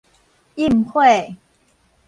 廕火